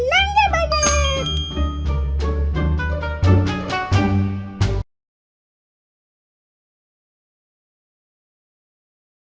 krisnya satu helanya banyak